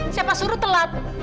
siapa suruh telat